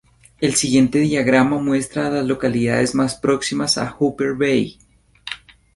El siguiente diagrama muestra a las localidades más próximas a Hooper Bay.